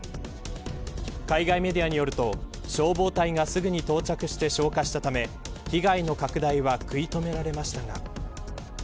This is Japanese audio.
海外メディアによると消防隊がすぐに到着して消火したため被害の拡大は食い止められました。